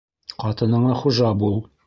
Ҡатыныңа хужа бул.